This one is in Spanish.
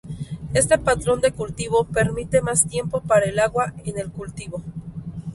Este patrón de cultivo permite más tiempo para el agua en el cultivo.